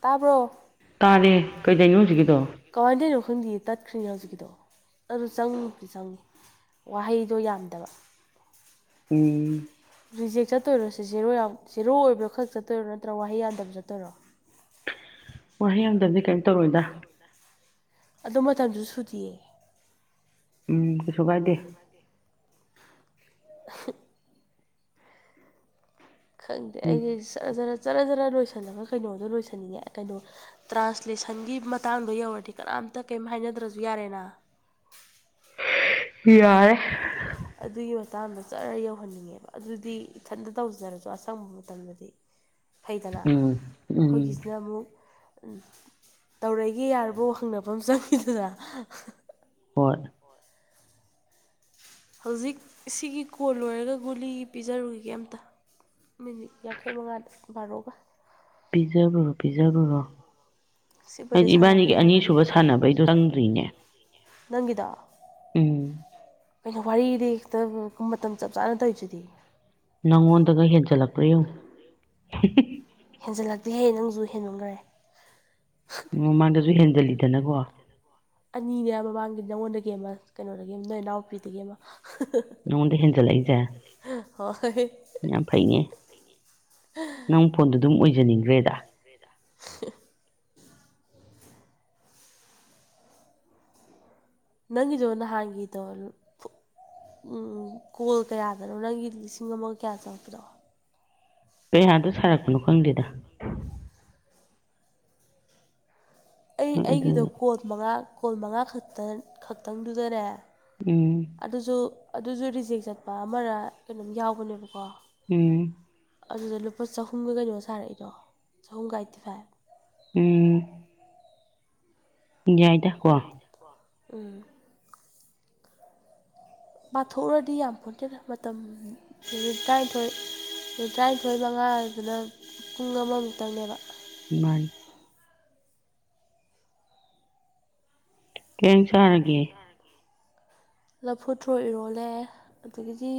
ꯇꯥꯕ꯭ꯔꯣ ꯇꯥꯔꯦ ꯀꯩꯗꯅꯣ ꯍꯧꯖꯤꯛꯀꯤꯗꯣ ꯀꯃꯥꯏꯅꯗꯣꯏꯅꯣ ꯈꯪꯗꯤ ꯇꯠꯈ꯭ꯔꯤꯅꯦ ꯍꯧꯖꯤꯛꯀꯤꯗꯣ ꯑꯗꯨ ꯆꯪꯉꯨꯗꯤ ꯆꯪꯉꯤ ꯋꯥꯍꯩꯗꯣ ꯌꯥꯝꯗꯕ ꯎꯝ ꯔꯤꯖꯦꯛ ꯆꯠꯇꯣꯏꯔꯣ ꯁꯤ ꯖꯦꯔꯣ ꯖꯦꯔꯣ ꯑꯣꯏꯕꯥ ꯈꯛ ꯆꯠꯇꯣꯏꯔꯣ ꯅꯠꯇ꯭ꯔ ꯋꯥꯍꯩ ꯌꯥꯗꯕ ꯆꯠꯇꯣꯏꯔꯣ ꯋꯥꯍꯩ ꯑꯃꯗꯗꯤ ꯀꯩꯅꯝ ꯇꯧꯔꯣꯏꯗ ꯑꯗꯨꯗꯣ ꯃꯇꯝꯗꯨꯁꯨ ꯁꯨꯗꯤꯌꯦ ꯎꯝ ꯀꯩꯁꯨ ꯀꯥꯏꯗꯦ ꯈꯪꯗꯦ ꯑꯩꯁꯔ ꯖꯔ ꯖꯔ ꯖꯔ ꯂꯣꯏꯁꯤꯜꯂꯒ ꯀꯩꯅꯣꯗꯣ ꯂꯣꯏꯁꯤꯟꯅꯤꯡꯉꯦ ꯀꯩꯅꯣ ꯇ꯭ꯔꯥꯟꯁꯂꯦꯁꯟꯒꯤ ꯃꯇꯥꯡꯗꯣ ꯌꯧꯔꯗꯤ ꯀꯅꯥꯝꯇ ꯀꯩꯝ ꯍꯥꯏꯅꯗ꯭ꯔꯁꯨ ꯌꯥꯔꯦꯅ ꯌꯥ ꯌꯥꯔꯦ ꯑꯗꯨꯒꯤ ꯃꯇꯥꯡꯗ ꯆꯔ ꯌꯧꯍꯟꯅꯤꯡꯉꯦꯕ ꯑꯗꯨꯗꯤ ꯏꯊꯟꯇ ꯇꯧꯖꯔꯁꯨ ꯑꯁꯪꯕ ꯃꯇꯝꯗꯗꯤ ꯐꯩꯗꯅ ꯎꯝ ꯎꯝ ꯑꯩꯈꯣꯏꯒꯤꯁꯤꯅ ꯑꯃꯨꯛ ꯇꯧꯔꯛꯑꯒꯦ ꯌꯥꯔꯕꯣ ꯍꯪꯐꯝ ꯑꯃ ꯆꯪꯉꯤꯗꯨꯗ ꯍꯣꯏ ꯍꯧꯖꯤꯛ ꯁꯤꯒꯤ ꯀꯣꯜ ꯂꯣꯏꯔꯒ ꯒꯨꯂꯤ ꯄꯤꯖꯔꯨꯔꯤꯒꯦ ꯑꯝꯇ ꯃꯤꯅꯤꯠ ꯌꯥꯡꯈꯩ ꯃꯉꯥ ꯕꯥꯔꯣꯒ ꯄꯤꯖꯔꯨꯔꯣ ꯄꯤꯖꯔꯨꯔꯣ ꯁꯤꯕꯨꯗꯤ ꯍꯥꯏꯗꯤ ꯁꯥꯟꯅꯕ ꯏꯕꯥꯅꯤꯒꯤ ꯌꯥꯒꯅꯤ ꯑꯅꯤꯁꯨꯕ ꯁꯥꯟꯅꯕꯩꯗꯣ ꯆꯪꯗ꯭ꯔꯤꯅꯦ ꯅꯪꯒꯤꯗꯣ ꯎꯝ ꯀꯩꯅꯣ ꯋꯥꯔꯤꯗꯤ ꯃꯇꯝ ꯆꯞ ꯆꯥꯅ ꯇꯧꯔꯤꯗꯨꯗꯤ ꯅꯉꯣꯟꯗꯒ ꯍꯦꯟꯖꯟꯂꯛꯄ꯭ꯔ ꯌꯦꯡꯉꯨ ꯍꯦꯟꯖꯜꯂꯛꯇꯦꯍꯦ ꯅꯪꯖꯨ ꯍꯦꯟꯃꯟꯈ꯭ꯔꯦ ꯃꯃꯥꯡꯗꯁꯨ ꯍꯦꯟꯖꯜꯂꯤꯗꯅꯀꯣ ꯑꯅꯤꯅꯦ ꯃꯃꯥꯡꯒꯤ ꯅꯉꯣꯟꯗꯒꯤ ꯑꯃ ꯀꯩꯅꯣꯗꯒꯤ ꯅꯣꯏ ꯏꯅꯥꯎꯄꯤꯗꯒꯤ ꯑꯃ ꯅꯉꯣꯟꯗ ꯍꯦꯟꯖꯜꯂꯛꯏꯁꯦ ꯍꯣꯏ ꯌꯥꯝ ꯐꯩꯅꯦ ꯅꯪ ꯐꯣꯟꯗꯨꯗꯨꯝ ꯑꯣꯏꯖꯅꯤꯡꯒ꯭ꯔꯦꯗꯥ ꯅꯪꯒꯤꯗꯣ ꯅꯍꯥꯟꯒꯤꯗꯣ ꯎꯝ ꯀꯣꯜ ꯀꯌꯥꯗꯅꯣ ꯅꯪꯒꯤ ꯂꯤꯁꯤꯡ ꯑꯃꯒ ꯀꯌꯥ ꯆꯪꯉꯛꯄꯗꯣ ꯀꯩꯌꯥꯗ ꯁꯥꯔꯛꯄꯅꯣ ꯈꯪꯗꯦꯗ ꯑꯩ ꯍꯣꯏ ꯑꯩꯒꯤꯗꯣ ꯑꯗꯨ ꯀꯣꯜ ꯃꯉꯥ ꯀꯣꯜ ꯃꯉꯥ ꯈꯛꯇ ꯈꯛꯇꯪꯗꯨꯗꯅꯦ ꯎꯝ ꯑꯗꯨꯖꯨ ꯑꯗꯨꯖꯨ ꯔꯤꯖꯦꯛ ꯆꯠꯄ ꯑꯃꯔ ꯀꯩꯅꯣꯝ ꯌꯥꯎꯕꯅꯦꯕꯀꯣ ꯎꯝ ꯑꯗꯨꯗ ꯂꯨꯄꯥ ꯆꯍꯨꯝꯒ ꯀꯩꯅꯣ ꯁꯥꯔꯛꯏꯗꯣ ꯆꯍꯨꯝꯒ ꯑꯩꯥꯏꯠꯇꯤ ꯐꯥꯏꯚ ꯎꯝ ꯌꯥꯏꯗ ꯀꯣ ꯎꯝ ꯄꯥꯊꯣꯛꯎꯔꯗꯤ ꯌꯥꯝꯄꯣꯠꯇꯦꯗ ꯃꯇꯝ ꯃꯤꯅꯤꯠ ꯇ꯭ꯔꯥꯅꯤꯊꯣꯏ ꯃꯤꯅꯤꯠ ꯇ꯭ꯔꯥꯅꯤꯊꯣꯏ ꯃꯉꯥꯗꯨꯅ ꯄꯨꯡ ꯑꯃꯃꯨꯛꯇꯪꯅꯦꯕ ꯃꯥꯟꯅꯤ ꯀꯩꯖꯥꯡ ꯆꯥꯔꯒꯦ ꯂꯐꯨꯊ꯭ꯔꯣ ꯏꯔꯣꯜꯂꯦ ꯑꯗꯒꯤꯗꯤ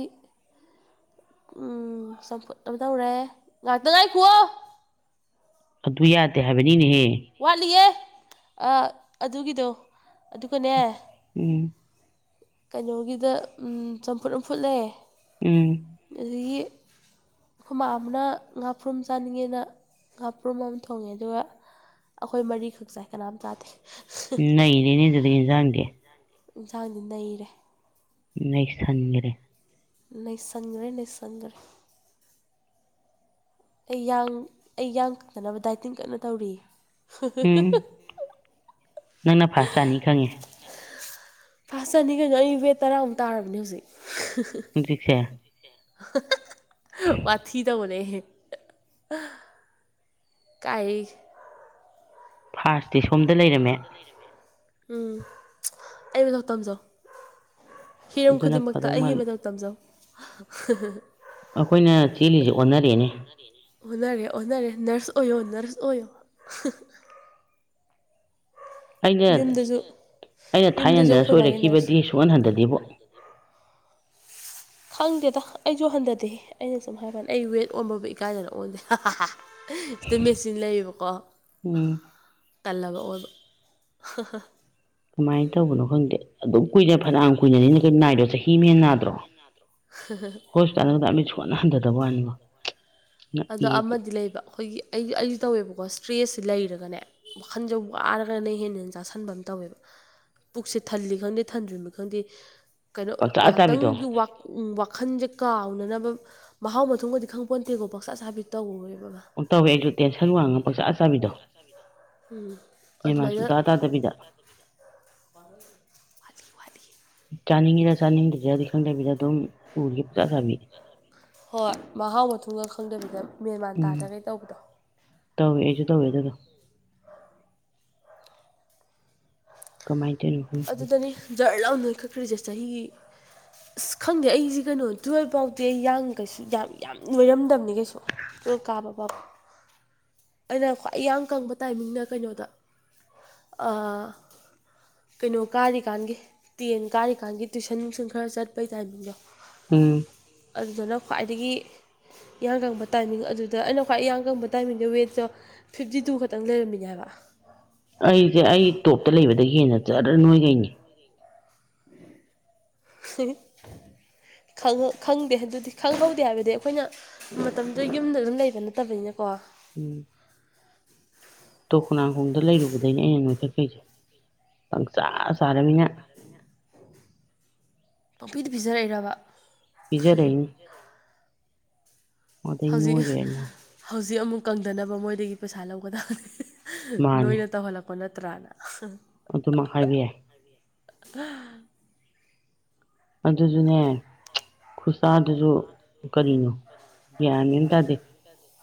ꯎꯝ ꯆꯝꯐꯨꯠ ꯑꯃ ꯇꯧꯔꯦ ꯉꯥꯛꯇ ꯉꯥꯏꯈꯨꯋꯣ ꯑꯗꯨ ꯌꯥꯗꯦ ꯍꯥꯏꯕꯅꯤꯅꯦꯍꯦ ꯋꯥꯠꯂꯤꯌꯦ ꯑ ꯑꯗꯨꯒꯤꯗꯣ ꯑꯗꯨꯒꯅꯦ ꯎꯝ ꯀꯩꯅꯣꯒꯤꯗ ꯎꯝ ꯆꯝꯐꯨꯠ ꯑꯃ ꯐꯨꯠꯂꯦ ꯎꯝ ꯑꯗꯒꯤ ꯈꯨꯃꯥꯝꯃꯅ ꯉꯥꯄ꯭ꯔꯨꯝ ꯆꯥꯅꯤꯡꯉꯦꯅ ꯉꯥꯄ꯭ꯔꯨꯝ ꯑꯃ ꯊꯣꯡꯉꯦ ꯑꯗꯨꯒ ꯑꯩꯈꯣꯏ ꯃꯔꯤꯈꯛ ꯆꯥꯏ ꯀꯅꯥꯝ ꯆꯥꯗꯦ ꯅꯩꯔꯦꯅꯦ ꯑꯗꯨꯗꯤ ꯏꯟꯖꯥꯡꯗꯤ ꯏꯟꯁꯥꯡꯗꯤ ꯅꯩꯔꯦ ꯅꯩꯁꯟꯒ꯭ꯔꯦ ꯅꯩꯁꯟꯒ꯭ꯔꯦ ꯅꯩꯁꯟꯒ꯭ꯔꯦ ꯑꯩ ꯌꯥꯡ ꯑꯩ ꯌꯥꯡ ꯀꯪꯗꯅꯕ ꯗꯥꯏꯇꯤꯡ ꯀꯟꯅ ꯇꯧꯔꯤꯌꯦ ꯎꯝ ꯅꯪꯅ ꯐꯥꯔꯁꯠ ꯇꯥꯅꯤ ꯈꯪꯉꯦ ꯐꯥꯁ ꯇꯥꯅꯤ ꯀꯩꯅꯣ ꯑꯩ ꯋꯦꯠ ꯇꯔꯥꯃꯨꯛ ꯇꯥꯔꯕꯅꯦ ꯍꯧꯖꯤꯛ ꯍꯧꯖꯤꯛꯁꯦ ꯋꯥꯊꯤ ꯇꯧꯕꯅꯦꯍꯦ ꯀꯥꯏꯗꯩ ꯐꯥꯔꯁꯇꯤ ꯁꯣꯝꯗ ꯂꯩꯔꯝꯃꯦ ꯎꯝ ꯑꯩ ꯃꯇꯧ ꯇꯝꯖꯧ ꯍꯤꯔꯝ ꯑꯗꯨꯅ ꯈꯨꯗꯤꯡꯃꯛꯇ ꯐꯗꯧ ꯑꯩꯒꯤ ꯃꯥꯜꯂꯤ ꯃꯇꯧ ꯇꯝꯖꯧ ꯑꯩꯈꯣꯏꯅ ꯆꯦꯜꯂꯤꯁꯡꯖꯦ ꯑꯣꯟꯅꯔꯦꯅꯦ ꯑꯣꯟꯅꯔꯦ ꯑꯣꯟꯅꯔꯦ ꯅꯔꯁ ꯑꯣꯏꯌꯣ ꯅꯔꯁ ꯑꯣꯏꯌꯣ ꯑꯩꯅ ꯌꯨꯝꯗꯁꯨ ꯑꯩꯅ ꯌꯨꯝꯗꯁꯨ ꯊꯥꯏꯅꯟꯗꯔ ꯑꯩꯈꯣꯏ ꯕꯥꯒꯤ ꯅꯔꯁ ꯁꯣꯏꯔꯛꯈꯤꯕꯗꯤ ꯁꯣꯛꯍꯟ ꯍꯟꯗꯗꯦꯕꯣ ꯈꯪꯗꯦꯗ ꯑꯩꯁꯨ ꯍꯟꯊꯗꯤꯦ ꯑꯩꯅ ꯁꯨꯝ ꯍꯥꯏꯕꯅꯤ ꯑꯩ ꯋꯦꯠ ꯑꯣꯟꯕꯕꯨ ꯏꯀꯥꯏꯗꯅ ꯑꯣꯟꯗꯦ ꯃꯦꯆꯤꯟ ꯂꯩꯌꯦꯕꯀꯣ ꯎꯝ ꯇꯥꯜꯂꯕ ꯑꯣꯟꯕ ꯀꯃꯥꯏꯅ ꯇꯧꯕꯅꯣ ꯈꯪꯗꯦ ꯑꯗꯨꯛ ꯀꯨꯢꯅ ꯨ ꯅꯥꯗ꯭ꯔꯣ [inaudible] ꯍꯣꯁꯄꯤꯇꯥꯜꯒꯗ ꯑꯃꯠ ꯁꯣꯟꯅ ꯍꯟꯊꯗꯕ ꯋꯥꯅꯤꯕ ꯑꯗꯣ ꯑꯃꯗꯤ ꯂꯩꯕ ꯑꯩꯈꯣꯏꯒꯤ ꯑꯩ ꯑꯩꯗꯤ ꯇꯧꯋꯦꯕꯀꯣ ꯏꯁꯇ꯭ꯔꯦꯁꯁꯦ ꯂꯩꯔꯒꯅꯦ ꯋꯥꯈꯟꯖ ꯋꯥꯔꯒꯅ ꯍꯦꯟꯅꯟꯅ ꯆꯥꯁꯟꯕ ꯑꯃ ꯇꯧꯋꯦꯕ ꯄꯨꯛꯁꯦ ꯊꯜꯂꯤ ꯈꯪꯗꯦ ꯊꯟꯗ꯭ꯔꯤꯃꯤ ꯈꯪꯗꯦ ꯀꯩꯅꯣ ꯄꯪꯆꯥ ꯆꯥꯕꯤꯗꯣ ꯉꯥꯏꯍꯥꯛꯇꯪꯒꯤ ꯋꯥꯛ ꯎꯟ ꯋꯥꯈꯟꯖꯦ ꯀꯥꯎꯅꯅꯕ ꯃꯍꯥꯎ ꯃꯊꯨꯝꯒꯗꯤ ꯈꯪꯄꯣꯟꯇꯦꯀꯣ ꯄꯥꯛꯆꯥ ꯆꯥꯕꯤ ꯇꯧꯋꯦꯕ ꯑꯃ ꯑꯣ ꯇꯧꯋꯦ ꯑꯩꯁꯨ ꯇꯦꯟꯁꯟ ꯋꯥꯡꯉ ꯄꯥꯛꯆꯥ ꯆꯥꯕꯤꯗꯣ ꯎꯝ ꯃꯦꯟ ꯃꯥꯟ ꯑꯗꯨꯃꯥꯏꯅ ꯁꯨꯛꯇꯥ ꯇꯥꯗꯕꯤꯗ [unintelligible] ꯆꯥꯅꯤꯡꯉꯤꯔ ꯆꯥꯅꯤꯡꯗ꯭ꯔꯤꯔꯥꯗꯤ ꯈꯪꯗꯕꯤꯗ ꯑꯗꯨꯝ ꯎꯔꯤꯒꯦꯏ ꯄꯨꯡꯆꯥ ꯆꯥꯕꯤ ꯍꯣꯏ ꯃꯍꯥꯎ ꯃꯊꯨꯝꯒ ꯈꯪꯗꯕꯤꯗ ꯃꯦꯟꯃꯥꯟ ꯎꯝ ꯇꯥꯗꯒꯩ ꯇꯧꯕꯗꯣ ꯇꯧꯋꯦ ꯑꯩꯖꯨ ꯇꯧꯋꯦ ꯑꯗꯨꯗꯣ ꯀꯃꯥꯏ ꯇꯧꯏꯅꯣ ꯑꯗꯨꯗꯅꯤ ꯖꯔ ꯂꯥꯎ ꯅꯣꯏꯈꯠꯈ꯭ꯔꯤꯁꯦ ꯆꯍꯤ ꯑꯁ ꯈꯪꯗꯦ ꯑꯩꯁꯦ ꯀꯩꯅꯣ ꯇꯨꯌꯦꯜꯐ ꯐꯥꯎꯗꯤ ꯑꯩ ꯌꯥꯡ ꯀꯩꯁꯨ ꯌꯥꯝ ꯌꯥꯝ ꯅꯣꯏꯔꯝꯗꯕꯅꯤ ꯀꯩꯁꯨ ꯇꯨꯋꯦꯜꯕ ꯀꯥꯕꯕꯥꯎ ꯑꯩꯅ ꯈ꯭ꯋꯥꯏ ꯌꯥꯡ ꯀꯪꯕ ꯇꯥꯏꯃꯤꯡꯅ ꯀꯩꯅꯣꯗ ꯑꯥ ꯀꯩꯅꯣ ꯀꯥꯔꯤꯀꯥꯟꯒꯤ ꯇꯦꯟ ꯀꯥꯔꯤꯀꯥꯟꯒꯤ ꯇꯨꯏꯁꯟ ꯅꯨꯡꯁꯟ ꯈꯔ ꯆꯠꯄꯩ ꯇꯥꯏꯃꯤꯡꯗꯣ ꯎꯝ ꯑꯗꯨꯗꯅ ꯈ꯭ꯋꯥꯏꯗꯒꯤ ꯌꯥꯡ ꯀꯪꯕ ꯇꯥꯏꯃꯤꯡ ꯑꯗꯨꯗ ꯑꯩꯅ ꯈ꯭ꯋꯥꯏ ꯌꯥꯡ ꯀꯪꯕ ꯇꯥꯏꯃꯤꯡꯗ ꯋꯦꯠ ꯐꯤꯞꯇꯤ ꯇꯨ ꯈꯇꯪ ꯂꯩꯔꯝꯃꯤꯅꯦ ꯍꯥꯏꯕ ꯑꯩꯁꯦ ꯑꯩ ꯇꯣꯞꯇ ꯂꯩꯕꯗꯒꯤ ꯍꯦꯟꯅ ꯖꯔ ꯅꯣꯏꯒꯩꯅꯦ [unintelligible] ꯈꯪ ꯈꯪꯗꯦ ꯑꯗꯨꯗꯤ ꯈꯪꯍꯧꯗꯦ ꯍꯥꯏꯕꯗꯤ ꯑꯩꯈꯣꯏꯅ ꯃꯇꯝꯗꯨꯗ ꯌꯨꯝꯗꯒ ꯑꯗꯨꯝ ꯂꯩꯕ ꯅꯠꯇꯕꯅꯤꯅꯀꯣ ꯎꯝ ꯇꯣꯛꯅꯥꯡꯈꯣꯡꯗ ꯂꯩꯔꯨꯕꯗꯩꯅꯦ ꯑꯩꯅ ꯅꯣꯏꯈꯠꯈꯩꯁꯦ ꯄꯪꯆꯥꯥ ꯆꯥꯔꯃꯤꯅ ꯄꯪꯄꯤꯗ ꯄꯤꯖꯔꯛꯏꯔꯕ ꯄꯤꯖꯔꯛꯏꯅꯤ ꯑꯗꯩ ꯍꯧꯖꯤꯛ ꯅꯣꯏꯈ꯭ꯔꯦꯅ ꯍꯧꯖꯤꯛ ꯑꯃꯨꯛ ꯀꯪꯗꯅꯕ ꯃꯣꯏꯗꯒꯤ ꯄꯩꯁꯥ ꯂꯧꯒꯗꯕ ꯃꯥꯅꯦ ꯅꯣꯏꯅ ꯇꯧꯍꯜꯂꯛꯄ ꯅꯠꯇ꯭ꯔꯥꯅ ꯑꯗꯨꯃꯛ ꯍꯥꯏꯕ ꯌꯥꯏ [unintelligible] ꯑꯗꯨꯖꯨꯅꯦ ꯈꯨꯠꯆꯥꯗꯨꯖꯨ ꯀꯔꯤꯅꯣ ꯒ꯭ꯌꯥꯟ ꯃꯦꯟ ꯑꯝ ꯇꯥꯗꯦ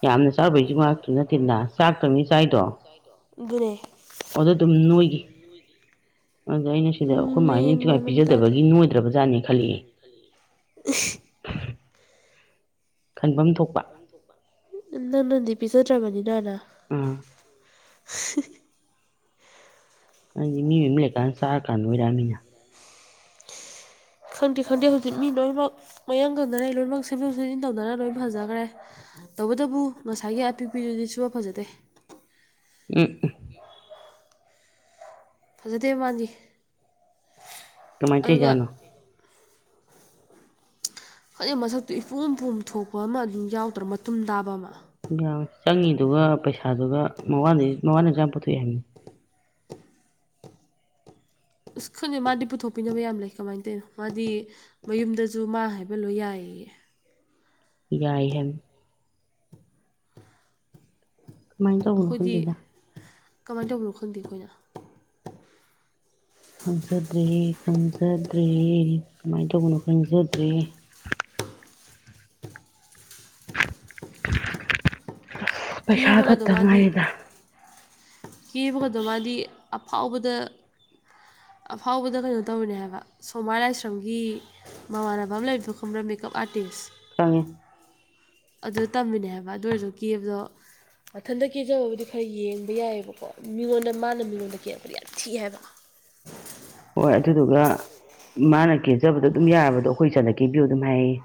ꯌꯥꯝꯅ ꯆꯥꯎꯕꯩꯖꯨ ꯋꯥ ꯉꯥꯛꯇ ꯅꯠꯇꯦꯟꯅ ꯆꯥꯛꯇꯪꯅꯤ ꯆꯥꯏꯗꯣ ꯗꯨꯨꯅꯦ ꯑꯗꯣ ꯗꯨꯝ ꯅꯣꯏꯒꯤ ꯑꯗꯨꯅ ꯑꯩꯅ ꯁꯤꯗ ꯑꯈꯣꯏꯃꯥꯏꯅ ꯃꯦꯟ ꯏꯟꯊꯤꯅꯨꯉꯥꯏ ꯃꯥꯟ ꯑꯃ ꯇꯥꯗꯦ ꯄꯤꯖꯗꯕꯒꯤ ꯅꯣꯏꯗ꯭ꯔꯕꯖꯥꯠꯅꯦ ꯈꯜꯂꯛꯑꯦ [unintelligible] ꯈꯟꯕꯝ ꯊꯣꯛꯄ ꯅꯪ ꯅꯪꯅꯗꯤ ꯄꯤꯖꯗ꯭ꯔꯕꯅꯤꯅꯥꯅ ꯑꯥ [unintelligible] ꯍꯗꯤ ꯃꯤ ꯃꯌꯨꯝ ꯂꯩꯀꯥꯟ ꯆꯥꯔ ꯀꯥꯟ ꯅꯣꯏꯔꯛ ꯑꯃꯤꯅ꯫ ꯈꯪꯗꯦ ꯈꯪꯗꯦ ꯍꯧꯖꯤꯛ ꯃꯤ ꯂꯣꯏꯃꯛ ꯃꯌꯥꯡ ꯀꯪꯅꯔꯦ ꯂꯣꯏꯃꯛ ꯁꯦꯝꯗꯣꯛ ꯁꯦꯝꯖꯤꯟ ꯇꯧꯅꯔ ꯂꯣꯏ ꯐꯖꯒ꯭ꯔꯦ ꯇꯧꯕꯇꯕꯨ ꯉꯁꯥꯏꯒꯤ ꯑꯄꯤꯀꯄꯤꯗꯨꯗꯤ ꯁꯨꯐ ꯐꯖꯗꯦ [unintelligible] ꯐꯖꯗꯦ ꯃꯥꯗꯤ ꯀꯃꯥꯏ ꯑꯗꯨꯒ ꯇꯩꯖꯥꯠꯅꯣ ꯈꯪꯗꯦ ꯃꯁꯛꯇꯨ ꯏꯄꯣꯝ ꯄꯣꯝꯊꯣꯛꯄ ꯑꯃ ꯑꯗꯨꯝ ꯌꯥꯎꯗ꯭ꯔꯣ ꯃꯇꯨꯝ ꯇꯥꯕ ꯑꯃ ꯌꯥꯎꯏ ꯆꯪꯉꯤꯗꯨꯒ ꯄꯩꯁꯥꯗꯨꯒ ꯃꯋꯥꯅ ꯃꯋꯥꯅꯖꯨ ꯌꯥꯝ ꯄꯨꯊꯣꯛꯑꯦ ꯍꯥꯏꯝꯅꯤ ꯏꯁ ꯈꯪꯗꯦ ꯃꯥꯗꯤ ꯄꯨꯊꯣꯛꯄꯤꯅꯕ ꯌꯥꯝ ꯂꯩ ꯀꯃꯥꯏ ꯇꯧꯏꯅꯣ ꯃꯥꯗꯤ ꯃꯌꯨꯝꯗꯖꯨ ꯃꯥ ꯍꯥꯏꯕ ꯂꯣꯏ ꯌꯥꯏꯌꯦꯌꯦ ꯌꯥꯏ ꯍꯥꯏꯝꯅꯤ ꯀꯃꯥꯏ ꯇꯧꯕꯅꯣ ꯈꯪꯗꯦꯗ ꯀꯃꯥꯏ ꯇꯧꯕꯅꯣ ꯈꯪꯗꯦ ꯑꯩꯈꯣꯏꯅ ꯈꯪꯖꯗ꯭ꯔꯦ ꯈꯪꯖꯗ꯭ꯔꯦ ꯀꯃꯥꯏ ꯇꯧꯕꯅꯣ ꯈꯪꯖꯗ꯭ꯔꯦ ꯄꯩꯁꯥ ꯀꯦꯕꯒꯗꯣ ꯈꯛꯇ ꯃꯥꯗꯤ ꯉꯥꯏꯔꯦꯗ ꯀꯦꯕꯒꯗꯣ ꯃꯥꯗꯤ ꯑꯐꯥꯎꯕꯗ ꯑꯐꯥꯎꯕꯗ ꯀꯩꯅꯣ ꯇꯧꯔꯤꯅꯦ ꯍꯥꯏꯕ ꯁꯣꯃꯥ ꯂꯥꯏꯁ꯭ꯔꯝꯒꯤ ꯃꯃꯥꯅꯕ ꯑꯃ ꯂꯩꯕꯗꯣ ꯈꯪꯕꯔꯥ ꯃꯦꯀꯞ ꯑꯥꯔꯇꯤꯁ ꯈꯪꯉꯦ ꯑꯗꯨ ꯇꯝꯃꯤꯅꯦ ꯍꯥꯏꯕ ꯑꯗꯨ ꯑꯣꯏꯔꯖꯨ ꯀꯦꯕꯗꯣ ꯃꯊꯟꯇ ꯀꯦꯖꯕꯕꯨꯗꯤ ꯈꯔ ꯌꯦꯡꯕ ꯌꯥꯏꯕꯀꯣ ꯃꯤꯉꯣꯟꯗ ꯃꯥꯅ ꯃꯤꯉꯣꯟꯗ ꯀꯦꯔꯛꯄꯗꯤ ꯌꯥꯝ ꯊꯤ ꯍꯥꯏꯕ ꯍꯣꯏ ꯑꯗꯨꯗꯨꯒ ꯃꯥꯅ ꯀꯦꯖꯕꯗꯣ ꯑꯗꯨꯝ ꯌꯥꯔꯕꯗꯣ ꯑꯩꯈꯣꯏ ꯏꯆꯟꯗ ꯀꯦꯕꯤꯌꯨ ꯑꯗꯨꯝ ꯍꯥꯏꯌꯦꯌꯦ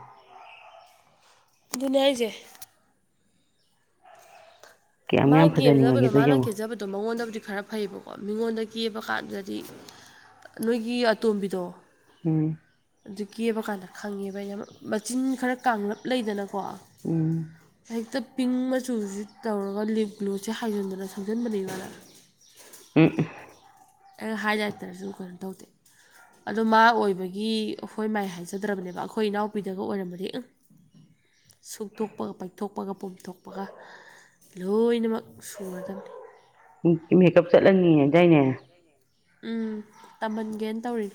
ꯑꯗꯨꯅꯦ ꯍꯥꯏꯖꯦ ꯀꯌꯥꯝ ꯃꯥꯏ ꯌꯥꯝ ꯀꯦꯖꯕꯗꯣ ꯐꯖꯅꯤꯡꯉꯒꯦꯗꯣ ꯃꯥꯅꯥ ꯌꯦꯡꯉꯣ ꯀꯦꯖꯕ ꯑꯗꯣ ꯃꯉꯣꯟꯗꯕꯨꯗꯤ ꯈꯔ ꯐꯩꯕꯀꯣ ꯃꯤꯉꯣꯟꯗ ꯀꯦꯕ ꯀꯥꯟꯗꯗꯤ ꯅꯣꯏꯒꯤ ꯑꯇꯣꯝꯕꯤꯗꯣ ꯎꯝ ꯑꯗꯨ ꯀꯦꯕ ꯀꯥꯟꯗ ꯈꯪꯉꯦꯕ ꯑꯩꯅ ꯃꯆꯤꯟ ꯈꯔ ꯀꯥꯡꯂꯞ ꯂꯩꯗꯅꯀꯣ ꯎꯝ ꯍꯦꯛꯇ ꯄꯤꯡ ꯃꯆꯨꯖꯤ ꯇꯧꯔꯒ ꯂꯤꯞ ꯒ꯭ꯂꯣꯖꯦ ꯍꯥꯏꯖꯤꯟꯗꯅ ꯁꯪꯖꯟꯕꯅꯦꯃꯤ ꯃꯥꯅ [unintelligible] ꯑꯩ ꯍꯥꯏꯂꯥꯏꯠꯇꯔꯖꯨ ꯀꯩꯅꯣ ꯇꯧꯗꯦ꯫ ꯑꯗꯣ ꯃꯥ ꯑꯣꯏꯕꯒꯤ ꯍꯣꯏ ꯃꯥꯏ ꯍꯥꯏꯖꯗ꯭ꯔꯕꯅꯦꯕ ꯑꯈꯣꯏ ꯏꯅꯥꯎꯄꯤꯗꯒ ꯑꯣꯏꯔꯝꯃꯗꯤ ꯎꯪ ꯁꯨꯡꯇꯣꯛꯄꯒ ꯄꯩꯊꯣꯛꯄꯒ ꯄꯣꯝꯊꯣꯛꯄꯒ ꯂꯣꯏꯅꯃꯛ ꯁꯨꯔꯗꯝꯅꯤ ꯃꯦꯀꯞ ꯆꯠꯂꯅꯤꯌꯦ ꯗꯥꯏꯅꯦ ꯎꯝ ꯇꯝꯍꯟꯒꯦꯅ ꯇꯧꯔꯤ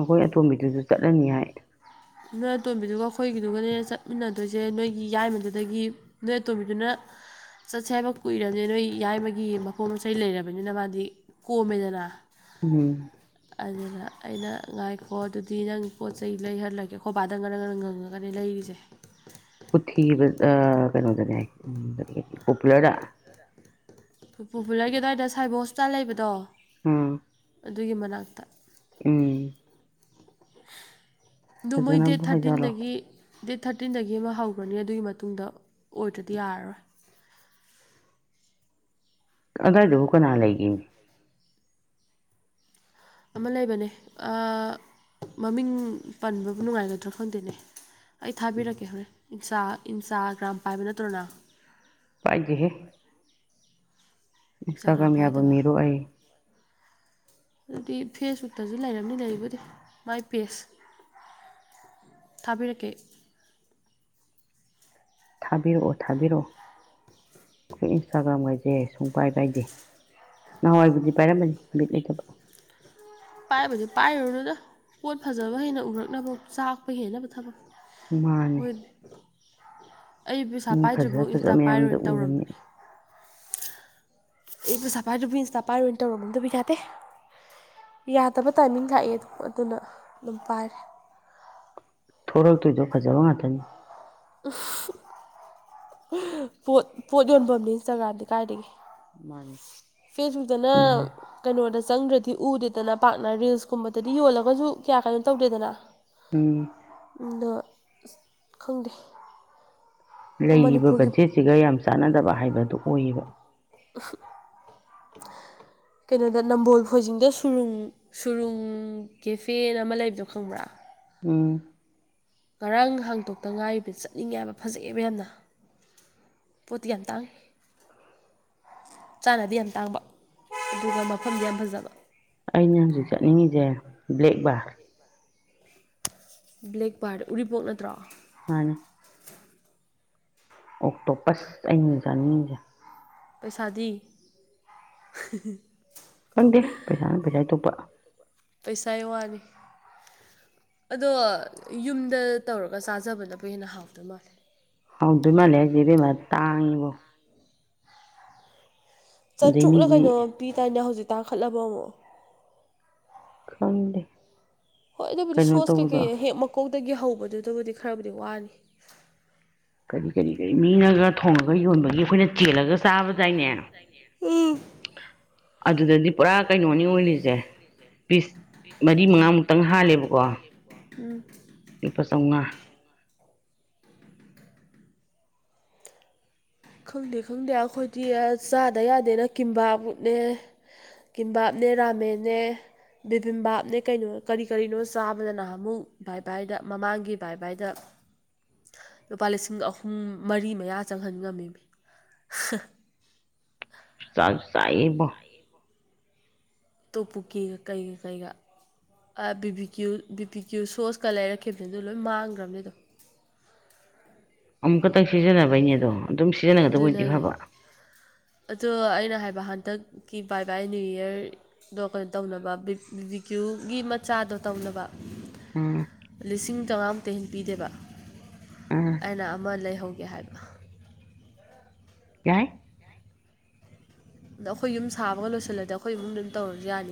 ꯑꯈꯣꯏ ꯑꯇꯣꯝꯕꯤꯗꯨꯖꯨ ꯆꯠꯂꯅꯤ ꯍꯥꯏ ꯅꯣꯏ ꯑꯇꯣꯝꯕꯤꯗꯨꯒ ꯑꯈꯣꯏꯒꯤꯗꯨꯒꯅꯦ ꯆꯠꯃꯤꯟꯅꯗꯣꯏꯖꯦ ꯅꯣꯏꯒꯤ ꯌꯥꯏꯃꯗꯨꯗꯒꯤ ꯅꯣꯏ ꯑꯇꯣꯝꯕꯤꯗꯨꯅ ꯆꯠꯁꯦ ꯍꯥꯏꯕ ꯀꯨꯏꯔꯕꯅꯤ ꯅꯣꯏ ꯌꯥꯏꯃꯒꯤ ꯃꯄꯣꯠ ꯃꯆꯩ ꯂꯩꯔꯕꯅꯤꯅ ꯃꯥꯗꯤ ꯀꯣꯃꯦꯗꯅ ꯎꯝ ꯑꯗꯨꯗ ꯑꯩꯅ ꯉꯥꯏꯈꯣ ꯑꯗꯨꯗꯤ ꯅꯪꯒꯤ ꯄꯣꯠ ꯆꯩ ꯂꯩꯍꯜꯂꯒꯦ ꯑꯈꯣꯕꯥꯗ ꯉꯔꯪ ꯉꯔꯪ ꯉꯪꯉꯒꯅꯤ ꯂꯩꯔꯤꯖꯦ ꯄꯨꯊꯤꯕ ꯑ ꯀꯩꯅꯣꯗꯅꯦ ꯍꯥꯏ ꯀꯔꯤ ꯄꯣꯄꯨꯂꯔꯗ ꯄꯣꯄꯨꯂꯔꯒꯤ ꯑꯗꯨꯋꯥꯏꯗ ꯁꯥꯏꯕ ꯍꯣꯁꯄꯤꯇꯥꯜ ꯂꯩꯕꯗꯣ ꯎꯝ ꯑꯗꯨꯒꯤ ꯃꯅꯥꯛꯇ ꯎꯝ ꯑꯗꯨ ꯃꯣꯏ ꯗꯦꯠ ꯐꯖꯅꯕꯨ ꯍꯥꯏꯖꯜꯂꯣ ꯊꯥꯔꯇꯤꯟꯗꯒꯤ ꯗꯦꯠ ꯊꯥꯔꯇꯤꯟꯗꯒꯤ ꯑꯃ ꯍꯧꯒ꯭ꯔꯅꯤ ꯑꯗꯨꯒꯤ ꯃꯇꯨꯡꯗ ꯑꯣꯏꯗ꯭ꯔꯗꯤ ꯌꯥꯔꯔꯣꯏ ꯑꯗ꯭ꯋꯥꯏꯗꯕꯨ ꯀꯅꯥ ꯂꯩꯒꯦꯅꯦ ꯑꯃ ꯂꯩꯕꯅꯦ ꯑꯥꯥ ꯃꯃꯤꯡ ꯄꯟꯕꯕꯨ ꯅꯨꯡꯉꯥꯏꯒꯗ꯭ꯔꯥ ꯈꯪꯗꯦꯅꯦ ꯑꯩ ꯊꯥꯕꯤꯔꯛꯀꯦ ꯍꯣꯔꯦꯟ ꯏꯟꯆꯥ ꯏꯟꯆꯥꯒ꯭ꯔꯥꯝ ꯄꯥꯏꯕ ꯅꯠꯇ꯭ꯔꯣ ꯅꯪ ꯄꯥꯏꯗꯦꯍꯦ ꯏꯟꯁꯇꯥꯒ꯭ꯔꯥꯝ ꯏꯟꯁꯇꯒ꯭ꯔꯥꯝ ꯌꯥꯕ ꯄꯥꯏꯗꯕ ꯃꯤꯔꯣ ꯑꯩ ꯑꯗꯨꯗꯤ ꯐꯦꯁꯕꯨꯛꯇꯁꯨ ꯂꯩꯔꯝꯅꯤ ꯂꯩꯕꯨꯗꯤ ꯃꯥꯏ ꯄꯦꯖ ꯊꯥꯕꯤꯔꯛꯀꯦ ꯑꯩ ꯊꯥꯕꯤꯔꯛꯑꯣ ꯊꯥꯕꯤꯔꯛꯑꯣ ꯑꯩꯈꯣꯏ ꯏꯟꯁꯇꯥꯒ꯭ꯔꯥꯝ ꯒꯥꯏꯖꯦ ꯁꯨꯡꯄꯥꯏ ꯄꯥꯏꯗꯦ ꯅꯍꯥꯟꯋꯥꯏꯕꯨꯗꯤ ꯄꯥꯏꯔꯝꯕꯅꯤ ꯕꯤꯠ ꯂꯩꯇꯕ ꯄꯥꯏꯕꯨꯗꯤ ꯄꯥꯏꯔꯨꯅꯨꯗ ꯄꯣꯠ ꯐꯖꯕ ꯍꯦꯟꯅ ꯎꯔꯛꯅꯕ ꯆꯥꯛꯄ ꯍꯦꯟꯅꯕ ꯊꯕꯛ ꯃꯥꯅꯦ ꯍꯣꯏ ꯑꯩ ꯄꯩꯁꯥ ꯃꯤ ꯐꯖ ꯄꯥꯏꯗ꯭ꯔꯤꯕꯧ ꯐꯖꯕ ꯏꯟꯁꯇꯥ ꯃꯌꯥꯝꯗꯣ ꯄꯥꯏꯔꯣꯏꯅ ꯇꯧꯔꯝꯕꯅꯦ ꯎꯔꯕꯅꯤꯅ ꯑꯩ ꯄꯩꯁꯥ ꯄꯥꯏꯗꯔ꯭ꯤꯕꯧ ꯏꯟꯁꯇꯥ ꯄꯥꯏꯔꯣꯏ ꯇꯧꯔꯝꯕ ꯑꯗꯨꯕꯨ ꯌꯥꯗꯦ ꯌꯥꯗꯕ ꯇꯥꯏꯃꯤꯡ ꯂꯥꯛꯑꯦ ꯑꯗꯨꯅ ꯑꯗꯨꯝ ꯄꯥꯏꯔꯦ ꯊꯣꯛꯔꯛꯇꯣꯏꯗꯣ ꯐꯖꯕ ꯉꯥꯛꯇꯅꯤ [inaudible] ꯄꯣꯠ ꯄꯣꯠ ꯌꯣꯟꯕꯝꯅꯦ ꯏꯟꯁꯇꯒ꯭ꯔꯥꯝꯗꯤ ꯀꯥꯏꯗꯒꯤ ꯃꯥꯅꯤ ꯐꯦꯁꯕꯨꯛꯗꯅ ꯎꯝ ꯀꯩꯅꯣꯗ ꯆꯪꯗ꯭ꯔꯗꯤ ꯎꯗꯦꯗꯅ ꯄꯥꯛꯅ ꯔꯤꯜꯁꯀꯨꯝꯕꯗꯗꯤ ꯌꯣꯜꯂꯒꯁꯨ ꯀꯌꯥ ꯀꯩꯅꯣ ꯇꯧꯗꯦꯗꯅ ꯎꯝ ꯑꯗꯣ ꯈꯪꯗꯦ ꯂꯩꯔꯤꯕ ꯃꯅꯤꯄꯨꯔꯒꯤ ꯕꯖꯦꯠꯁꯤꯒ ꯌꯥꯝ ꯆꯥꯟꯅꯗꯕ ꯍꯥꯏꯕꯗꯣ ꯑꯣꯏꯌꯦꯕ [inaudible] ꯀꯩꯅꯣꯗ ꯅꯝꯕꯣꯜ ꯈꯣꯏꯖꯤꯡꯗ ꯁꯨꯔꯨꯡ ꯁꯨꯔꯨꯡ ꯀꯦꯐꯦꯅ ꯑꯃ ꯂꯩꯕꯗꯣ ꯈꯪꯕ꯭ꯔꯥ ꯎꯝ ꯉꯔꯥꯡ ꯍꯥꯡꯇꯣꯛꯇ ꯉꯥꯏꯔꯤꯕ ꯆꯠꯅꯤꯡꯉꯦ ꯍꯥꯏꯕ ꯐꯖꯩꯑꯕ ꯌꯥꯝꯅ ꯄꯣꯠꯇꯤ ꯌꯥꯝ ꯇꯥꯡꯏ ꯆꯥꯅꯗꯤ ꯌꯥꯝ ꯇꯥꯡꯕ ꯑꯗꯨꯒ ꯃꯐꯝꯗꯤ ꯌꯥꯝ ꯐꯖꯕ ꯑꯩꯅ ꯍꯧꯖꯤꯛ ꯆꯠꯅꯤꯡꯉꯤꯖꯦ ꯕ꯭ꯂꯦꯛ ꯕꯥꯔ ꯕ꯭ꯂꯦꯛ ꯕꯥꯔ ꯎꯔꯤꯄꯣꯛ ꯅꯠꯇ꯭ꯔꯣ ꯃꯥꯅꯦ ꯑꯣꯛꯇꯣꯄꯁ ꯑꯩꯩꯅ ꯍꯨꯖꯤꯛ ꯆꯥꯅꯤꯡꯉꯤꯁꯦ ꯄꯩꯁꯥꯗꯤ ꯈꯪꯗꯦ ꯄꯩꯁꯥꯅ ꯄꯩꯁꯥꯒꯤ ꯊꯣꯛꯄ ꯄꯩꯁꯥꯏ ꯋꯥꯅꯤ ꯑꯗꯣ ꯌꯨꯝꯗ ꯇꯧꯔꯒ ꯆꯥꯖꯕꯅꯕꯨ ꯍꯦꯟꯅ ꯍꯥꯎꯗꯣꯏ ꯃꯥꯜꯂꯦ ꯍꯧꯗꯣꯏ ꯃꯥꯜꯂꯦ ꯍꯥꯏꯖꯦ ꯏꯕꯦꯃꯥ ꯇꯥꯡꯉꯤꯕꯣ ꯑꯗꯩ ꯆꯥꯇ꯭ꯔꯨꯛꯂ ꯃꯤꯒꯤ ꯀꯩꯅꯣ ꯄꯤ ꯗꯥꯏꯅꯦ ꯍꯧꯖꯤꯛ ꯇꯥꯈꯠꯂꯕ ꯑꯃꯨꯛ ꯈꯪꯗꯦ ꯍꯣꯏ ꯑꯗꯨꯕꯨꯗꯤ ꯀꯩꯅꯣ ꯁꯣꯁ ꯇꯧꯕꯗꯣ ꯀꯩꯀꯩ ꯍꯦꯛ ꯃꯀꯣꯛꯗꯒꯤ ꯍꯧꯕꯗꯨꯗꯕꯨꯗꯤ ꯈꯔꯕꯨꯗꯤ ꯋꯥꯅꯤ ꯀꯔꯤ ꯀꯔꯤ ꯀꯔꯤ ꯃꯤꯉꯒ ꯊꯣꯡꯉꯒ ꯌꯣꯟꯕꯒꯤ ꯑꯩꯈꯣꯏꯅ ꯆꯦꯜꯂꯒ ꯆꯥꯕꯗꯥꯏꯅꯦ [inaudible] ꯑꯗꯨꯗꯗꯤ ꯄꯨꯔꯥ ꯀꯩꯅꯣꯅꯤ ꯑꯣꯏꯔꯤꯖꯦ ꯄꯤꯁ ꯃꯔꯤ ꯃꯉꯥꯃꯨꯛꯇꯪ ꯍꯥꯜꯂꯦꯕꯀꯣ ꯎꯝ ꯂꯨꯄꯥ ꯆꯧꯉꯥ ꯈꯪꯗꯦ ꯈꯪꯗꯦ ꯑꯈꯣꯏꯗꯤ ꯆꯥꯗ ꯌꯥꯗꯦꯅ ꯀꯤꯝꯕꯥꯞ ꯅꯦ ꯀꯤꯝꯕꯥꯞꯅꯦ ꯔꯥꯃꯦꯅꯦ ꯕꯦꯕꯤꯝꯕꯥꯞꯅꯦ ꯀꯩꯅꯣ ꯀꯔꯤ ꯀꯔꯤꯅꯣ ꯆꯥꯕꯗ ꯅꯍꯥꯟꯃꯨꯛ ꯕꯥꯏ ꯕꯥꯢꯗ ꯃꯃꯥꯡꯒꯤ ꯕꯥꯢ ꯕꯥꯏꯗ ꯂꯨꯄꯥ ꯂꯤꯁꯤꯡ ꯑꯍꯨꯝ ꯃꯔꯤ ꯃꯌꯥ ꯆꯪꯍꯟ ꯉꯝꯃꯤ [unintelligible] ꯆꯥꯖꯨ ꯆꯥꯌꯦꯕꯣ ꯇꯣꯞꯄꯨꯀꯦꯒ ꯀꯩꯒ ꯀꯩꯒ ꯑꯥ B B Q B P Q ꯁꯣꯁꯀ ꯂꯩꯔꯛꯈꯤꯝꯅꯤ ꯑ ꯑꯗꯨ ꯂꯣꯏ ꯃꯥꯡꯈꯒ꯭ꯔꯝꯅꯤ ꯑꯗꯣ ꯑꯃꯨꯛ ꯈꯛꯇꯪ ꯁꯤꯖꯤꯟꯅꯕꯩꯅꯦ ꯑꯗꯣ ꯑꯗꯨꯝ ꯁꯤꯖꯤꯟꯅꯒꯗꯕ ꯑꯗꯨꯅꯦ ꯑꯣꯏꯗꯤ ꯍꯥꯏꯖꯦ ꯐꯕ ꯑꯗꯣ ꯑꯩꯅ ꯍꯥꯏꯕ ꯍꯟꯗꯛꯀꯤ ꯕꯥꯏ ꯕꯥꯏ ꯅ꯭ꯌꯨ ꯌꯔ ꯗꯣ ꯀꯩꯅꯣ ꯇꯧꯅꯕ ꯕꯤ ꯕꯤꯀ꯭ꯌꯨꯒꯤ ꯃꯆꯥꯗꯣ ꯇꯧꯅꯕ ꯎꯝ ꯂꯤꯁꯤꯡ ꯆꯧꯉꯥ ꯃꯨꯛꯇ ꯍꯦꯟ ꯄꯤꯗꯦꯕ ꯎꯝ ꯑꯩꯅ ꯑꯃ ꯂꯩꯍꯧꯒꯦ ꯍꯥꯏꯕ ꯌꯥꯏ ꯑꯗꯣ ꯑꯩꯈꯣꯏ ꯌꯨꯝ ꯁꯥꯕꯒ ꯂꯣꯏꯁꯤꯜꯂꯗꯤ ꯑꯩꯈꯣꯏ ꯏꯃꯨꯡ ꯑꯗꯨꯝ ꯇꯧꯔꯁꯨ ꯌꯥꯅꯤ